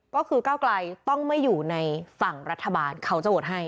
ก็คือก้าวไกลต้องไม่อยู่ในฝั่งรัฐบาลเขาจะโหวตให้